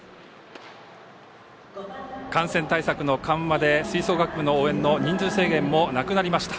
感染対策の緩和で吹奏楽部の応援の人数制限もなくなりました。